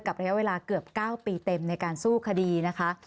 ระยะเวลาเกือบ๙ปีเต็มในการสู้คดีนะคะ